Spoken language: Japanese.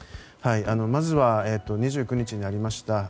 まずは２９日になりました